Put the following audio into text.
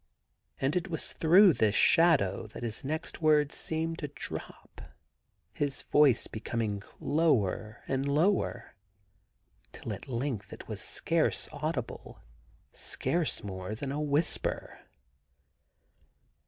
And it was through this shadow that his next words seemed to drop, his voice becoming lower and lower, till at length it was scarce audible, scarce more than a whisper.